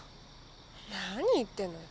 何言ってんのよ。